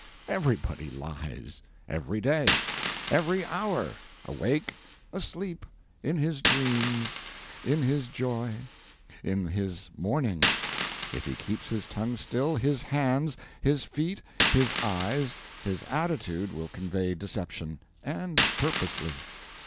Everybody lies every day; every hour; awake; asleep; in his dreams; in his joy; in his mourning; if he keeps his tongue still, his hands, his feet, his eyes, his attitude, will convey deception and purposely.